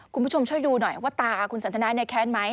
คุณผู้ชมช่วยดูหน่อยว่าตาคุณสันทนาแค้นไหม